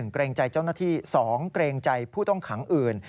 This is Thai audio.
เกรงใจเจ้าหน้าที่๒เกรงใจผู้ต้องขังอื่น